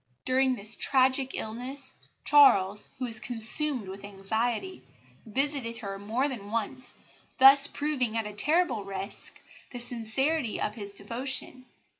During this tragic illness Charles, who was consumed with anxiety, visited her more than once, thus proving, at a terrible risk, the sincerity of his devotion.